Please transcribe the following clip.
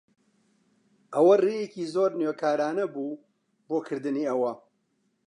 ئەوە ڕێیەکی زۆر نوێکارانە بوو بۆ کردنی ئەوە.